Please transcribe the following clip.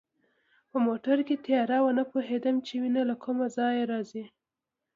په موټر کې تیاره وه، نه پوهېدم چي وینه له کومه ځایه راځي.